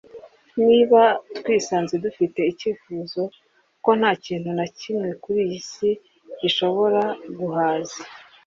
niba twisanze dufite icyifuzo ko nta kintu na kimwe kuri iyi si gishobora guhaza